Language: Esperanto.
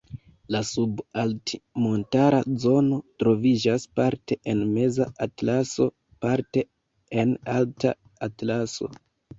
La sub-alt-montara zono troviĝas parte en Meza Atlaso, parte en Alta Atlaso.